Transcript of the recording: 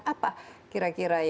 apa kira kira yang kita bisa lakukan